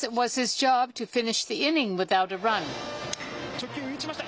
直球、打ちました。